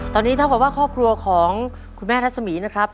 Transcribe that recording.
ตอนนี้ถ้าบอกว่าครอบครัวของคุณแม่ทัศน์หมีนะครับ